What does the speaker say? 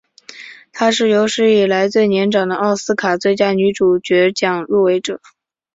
她是有史以来最年长的奥斯卡最佳女主角奖入围者。